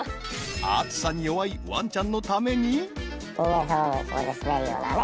［暑さに弱いワンちゃんのために］